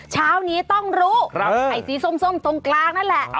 เช้านี้ต้องรู้ไอ้สีส้มตรงกลางนั่นแหละ